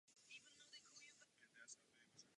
Architekturu vystudoval na University of Illinois.